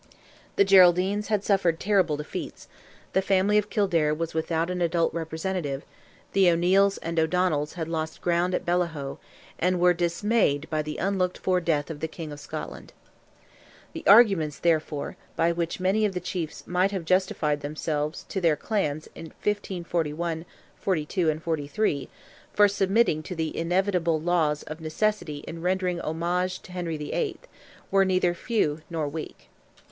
The Geraldines had suffered terrible defeats; the family of Kildare was without an adult representative; the O'Neils and O'Donnells had lost ground at Bellahoe, and were dismayed by the unlooked for death of the King of Scotland. The arguments, therefore, by which many of the chiefs might have justified themselves to their clans in 1541, '2 and '3, for submitting to the inevitable laws of necessity in rendering homage to Henry VIII., were neither few nor weak.